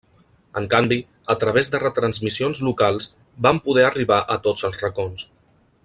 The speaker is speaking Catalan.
En canvi, a través de retransmissions locals vam poder arribar a tots els racons.